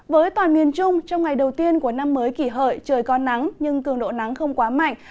với toàn miền trung trong ngày đầu tiên của năm mới kỷ hợi trời có nắng nhưng cường độ nắng không quá mạnh